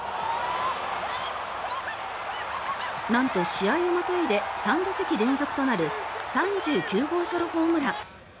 なんと試合をまたいで３打席連続となる３９号ソロホームラン。